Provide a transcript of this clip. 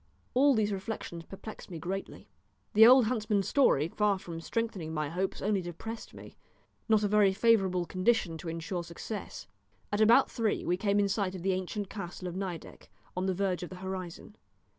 All these reflections perplexed me greatly. The old huntsman's story, far from strengthening my hopes, only depressed me not a very favourable condition to insure success. At about three we came in sight of the ancient castle of Nideck on the verge of the horizon.